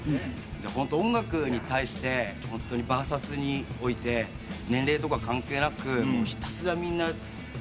ホント音楽に対してバーサスにおいて年齢とか関係なくひたすらみんな。